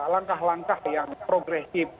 langkah langkah yang progresif